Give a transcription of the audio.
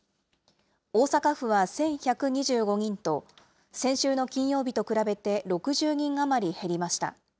大阪府は１１２５人と、先週の金曜日と比べて、６０人余り減りました。